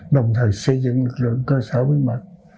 đồng thời xây dựng lực lượng cơ sở bí mật